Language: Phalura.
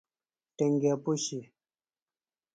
ٹنیگے پُشیۡ۔